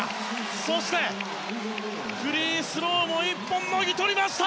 そして、フリースローも１本もぎ取りました！